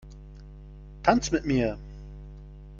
Tanz mit mir!